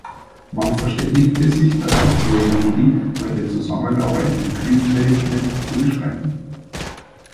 Man verständigte sich darauf, neue Wege bei der Zusammenarbeit im Krisenmanagement zu beschreiten.